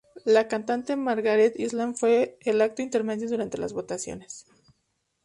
La cantante Margaret Island fue el acto intermedio durante las votaciones.